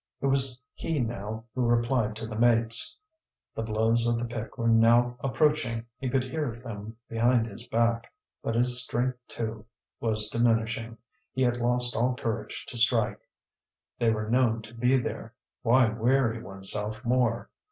It was he now who replied to the mates. The blows of the pick were now approaching, he could hear them behind his back. But his strength, too, was diminishing; he had lost all courage to strike. They were known to be there; why weary oneself more?